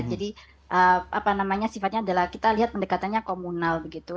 jadi apa namanya sifatnya adalah kita lihat pendekatannya komunal begitu